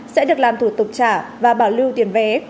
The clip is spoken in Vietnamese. sẽ được làm thủ tục trả và bảo lưu tiền vé